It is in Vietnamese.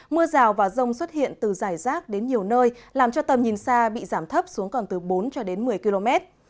mưa rào và rông xuất hiện từ giải rác đến nhiều nơi làm cho tầm nhìn xa bị giảm thấp xuống còn từ bốn cho đến một mươi km